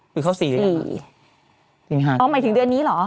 คือเขา๔อย่างนั้นหรอครับ๔อ๋อหมายถึงเดือนนี้หรอ